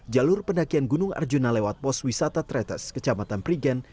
jalur pendakian gunung arjuna lewat pos wisata tretes kecamatan prigen